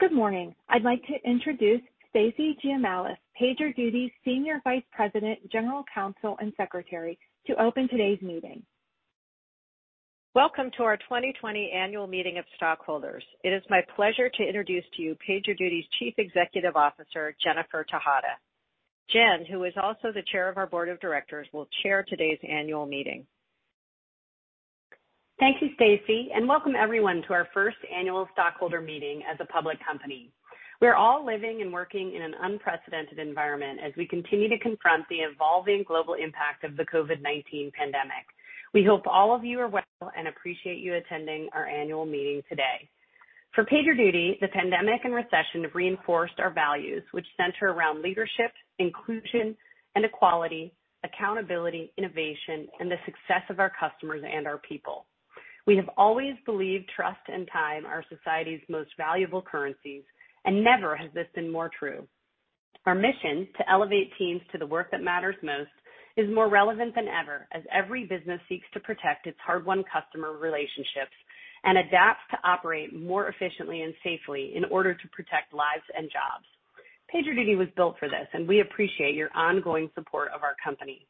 Good morning. I'd like to introduce Stacy Giamalis, PagerDuty's Senior Vice President, General Counsel, and Secretary, to open today's meeting. Welcome to our 2020 Annual Meeting of Stockholders. It is my pleasure to introduce to you PagerDuty's Chief Executive Officer, Jennifer Tejada. Jen, who is also the Chair of our Board of Directors, will chair today's Annual Meeting. Thank you, Stacy, and welcome everyone to our first Annual Stockholder Meeting as a public company. We are all living and working in an unprecedented environment as we continue to confront the evolving global impact of the COVID-19 pandemic. We hope all of you are well and appreciate you attending our Annual Meeting today. For PagerDuty, the pandemic and recession have reinforced our values, which center around leadership, inclusion, and equality, accountability, innovation, and the success of our customers and our people. We have always believed trust and time are society's most valuable currencies, and never has this been more true. Our mission, to elevate teams to the work that matters most, is more relevant than ever as every business seeks to protect its hard-won customer relationships and adapts to operate more efficiently and safely in order to protect lives and jobs. PagerDuty was built for this, and we appreciate your ongoing support of our company.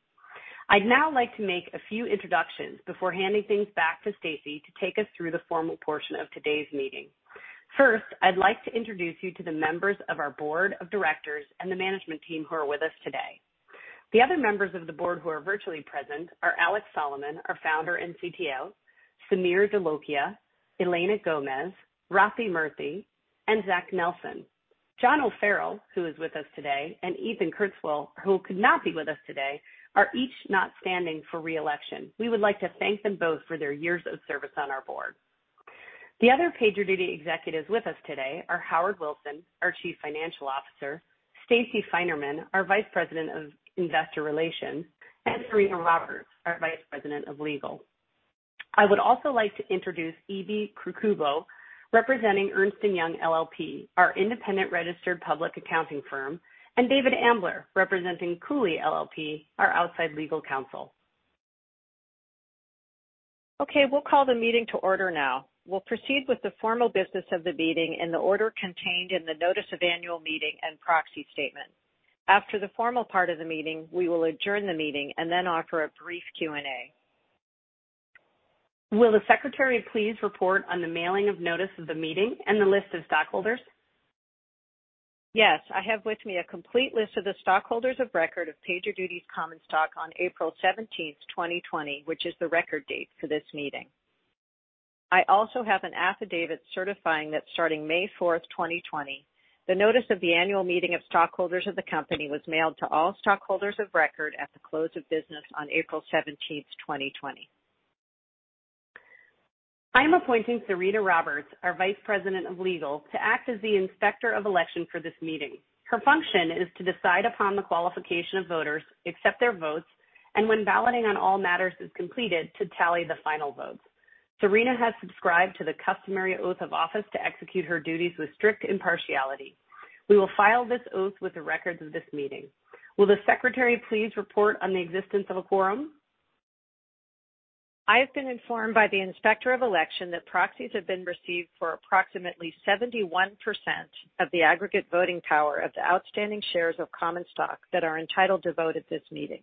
I'd now like to make a few introductions before handing things back to Stacy to take us through the formal portion of today's meeting. First, I'd like to introduce you to the members of our Board of Directors and the management team who are with us today. The other members of the board who are virtually present are Alex Solomon, our founder and CTO, Sameer Dholakia, Elena Gomez, Rathi Murthy, and Zack Nelson. John O'Farrell, who is with us today, and Ethan Kurzweil, who could not be with us today, are each not standing for re-election. We would like to thank them both for their years of service on our board. The other PagerDuty executives with us today are Howard Wilson, our Chief Financial Officer, Stacy Feinerman, our Vice President of Investor Relations, and Serena Roberts, our Vice President of Legal. I would also like to introduce Ibi Krukrubo, representing Ernst & Young LLP, our independent registered public accounting firm, and David Ambler, representing Cooley LLP, our outside legal counsel. Okay, we'll call the meeting to order now. We'll proceed with the formal business of the meeting in the order contained in the Notice of Annual Meeting and Proxy Statement. After the formal part of the meeting, we will adjourn the meeting and then offer a brief Q&A. Will the Secretary please report on the mailing of Notice of the Meeting and the list of stockholders? Yes, I have with me a complete list of the stockholders of record of PagerDuty's common stock on April 17, 2020, which is the record date for this meeting. I also have an affidavit certifying that starting May 4, 2020, the Notice of the Annual Meeting of Stockholders of the Company was mailed to all stockholders of record at the close of business on April 17, 2020. I am appointing Serena Roberts, our Vice President of Legal, to act as the Inspector of Election for this meeting. Her function is to decide upon the qualification of voters, accept their votes, and when balloting on all matters is completed, to tally the final votes. Serena has subscribed to the customary oath of office to execute her duties with strict impartiality. We will file this oath with the records of this meeting. Will the Secretary please report on the existence of a quorum? I have been informed by the Inspector of Election that proxies have been received for approximately 71% of the aggregate voting power of the outstanding shares of common stock that are entitled to vote at this meeting.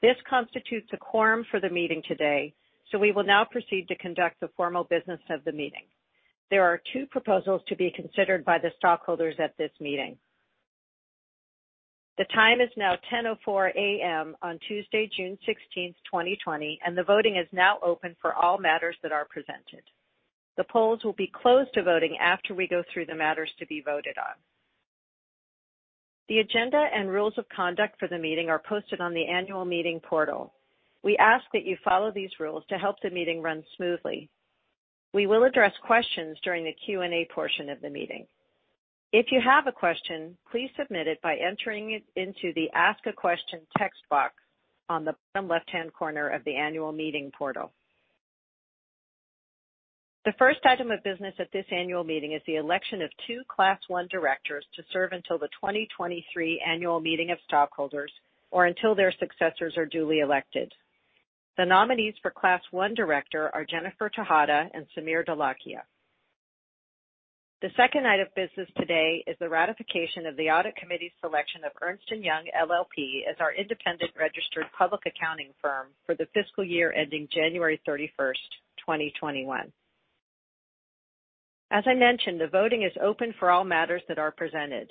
This constitutes a quorum for the meeting today, so we will now proceed to conduct the formal business of the meeting. There are two proposals to be considered by the stockholders at this meeting. The time is now 10:04 A.M. on Tuesday, June 16, 2020, and the voting is now open for all matters that are presented. The polls will be closed to voting after we go through the matters to be voted on. The agenda and rules of conduct for the meeting are posted on the Annual Meeting portal. We ask that you follow these rules to help the meeting run smoothly. We will address questions during the Q&A portion of the meeting. If you have a question, please submit it by entering it into the Ask a Question text box on the bottom left-hand corner of the Annual Meeting portal. The first item of business at this Annual Meeting is the election of two Class I Directors to serve until the 2023 Annual Meeting of Stockholders or until their successors are duly elected. The nominees for Class 1 Director are Jennifer Tejada and Sameer Dholakia. The second item of business today is the ratification of the Audit Committee's selection of Ernst & Young LLP as our independent registered public accounting firm for the fiscal year ending January 31st, 2021. As I mentioned, the voting is open for all matters that are presented.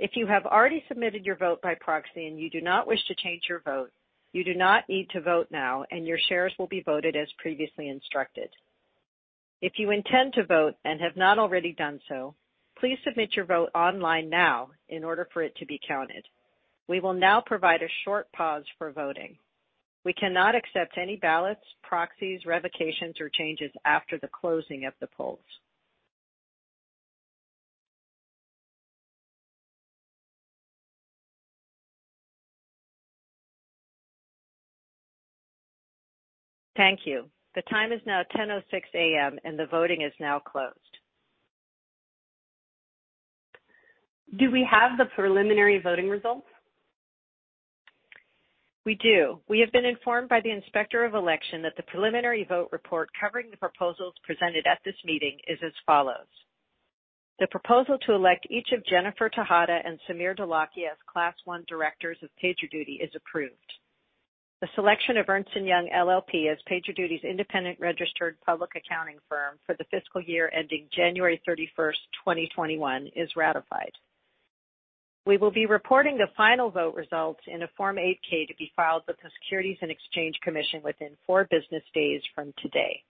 If you have already submitted your vote by proxy and you do not wish to change your vote, you do not need to vote now, and your shares will be voted as previously instructed. If you intend to vote and have not already done so, please submit your vote online now in order for it to be counted. We will now provide a short pause for voting. We cannot accept any ballots, proxies, revocations, or changes after the closing of the polls. Thank you. The time is now 10:06 A.M., and the voting is now closed. Do we have the preliminary voting results? We do. We have been informed by the Inspector of Election that the preliminary vote report covering the proposals presented at this meeting is as follows. The proposal to elect each of Jennifer Tejada and Sameer Dholakia as Class Directors of PagerDuty is approved. The selection of Ernst & Young LLP as PagerDuty's independent registered public accounting firm for the fiscal year ending January 31, 2021, is ratified. We will be reporting the final vote results in a Form 8-K to be filed with the Securities and Exchange Commission within four business days from today.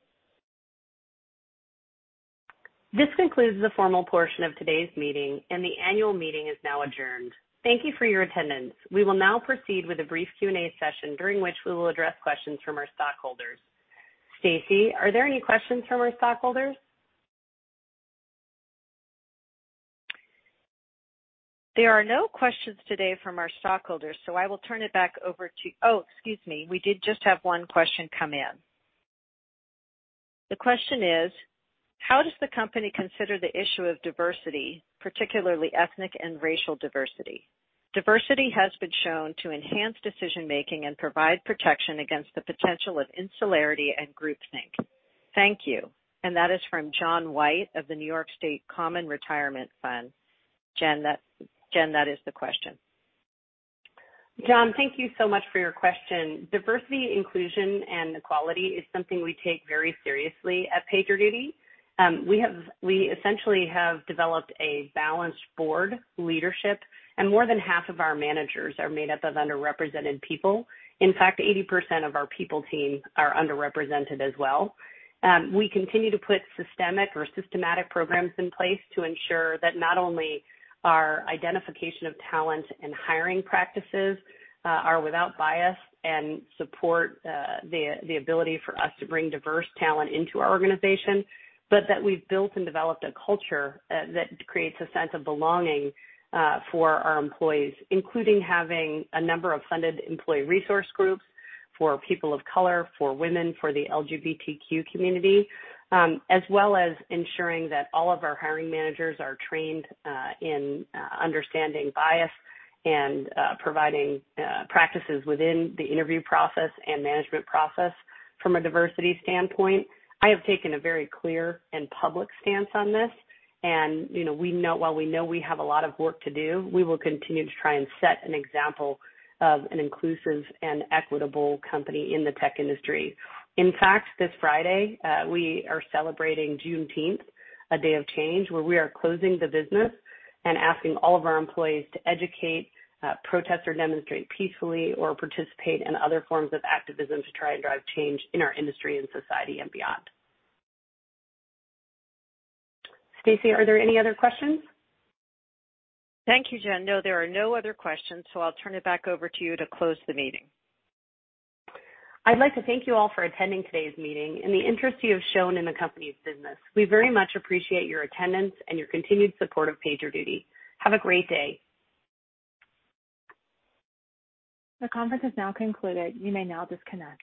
This concludes the formal portion of today's meeting, and the Annual Meeting is now adjourned. Thank you for your attendance. We will now proceed with a brief Q&A session during which we will address questions from our stockholders. Stacy, are there any questions from our stockholders? There are no questions today from our stockholders, so I will turn it back over to. Oh, excuse me, we did just have one question come in. The question is, how does the company consider the issue of diversity, particularly ethnic and racial diversity? Diversity has been shown to enhance decision-making and provide protection against the potential of insularity and groupthink. Thank you, and that is from John White of the New York State Common Retirement Fund. Jen, that is the question. John, thank you so much for your question. Diversity, inclusion, and equality is something we take very seriously at PagerDuty. We essentially have developed a balanced board leadership, and more than half of our managers are made up of underrepresented people. In fact, 80% of our people team are underrepresented as well. We continue to put systemic or systematic programs in place to ensure that not only our identification of talent and hiring practices are without bias and support the ability for us to bring diverse talent into our organization, but that we've built and developed a culture that creates a sense of belonging for our employees, including having a number of funded employee resource groups for people of color, for women, for the LGBTQ community, as well as ensuring that all of our hiring managers are trained in understanding bias and providing practices within the interview process and management process from a diversity standpoint. I have taken a very clear and public stance on this, and while we know we have a lot of work to do, we will continue to try and set an example of an inclusive and equitable company in the tech industry. In fact, this Friday, we are celebrating Juneteenth, a day of change, where we are closing the business and asking all of our employees to educate, protest or demonstrate peacefully, or participate in other forms of activism to try and drive change in our industry and society and beyond. Stacy, are there any other questions? Thank you, Jen. No, there are no other questions, so I'll turn it back over to you to close the meeting. I'd like to thank you all for attending today's meeting and the interest you have shown in the company's business. We very much appreciate your attendance and your continued support of PagerDuty. Have a great day. The conference is now concluded. You may now disconnect.